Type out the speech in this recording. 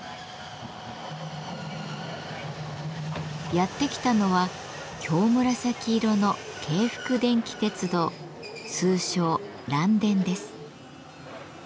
やって来たのは京紫色の京福電気鉄道通称「嵐電」です。